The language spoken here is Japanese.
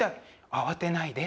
慌てないで。